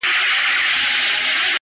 د مرغانو پاچهۍ ته نه جوړېږي؛